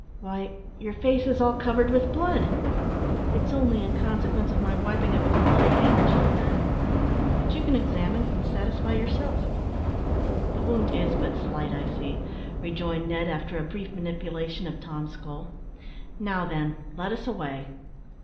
"Why, your face is all covered with blood!" "It's only in consequence of my wiping it with a bloody handkerchief, then; but you can examine, and satisfy yourself." "The wound is but slight, I see," rejoined Ned, after a brief manipulation of Tom's skull; "now, then, let us away."